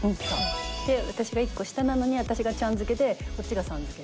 で私が１個下なのに私がちゃん付けでこっちがさん付け。